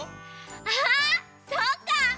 あそうか！